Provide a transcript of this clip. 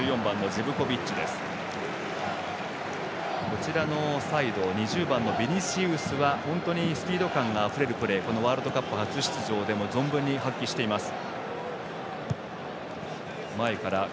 こちらのサイド２０番のビニシウスはスピード感のあふれるプレーワールドカップで初出場でも存分に発揮しています。